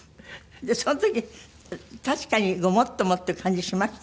その時確かにごもっともっていう感じしました？